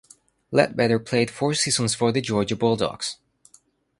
Ledbetter played four seasons for the Georgia Bulldogs.